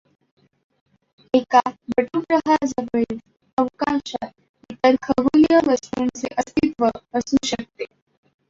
एका बटुग्रहाजवळील अवकाशात इतर खगोलीय वस्तूंचे अस्तित्व असू शकते.